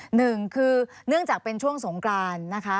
หนึ่งคือเนื่องจากเป็นช่วงสงกรานนะคะ